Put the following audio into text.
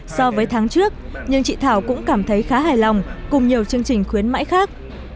so với tháng trước nhưng chị thảo cũng cảm thấy khá hài lòng cùng nhiều chương trình khuyến mãi khác